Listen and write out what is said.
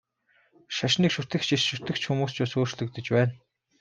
Шашныг шүтэгч, эс шүтэгч хүмүүс ч бас өөрчлөгдөж байна.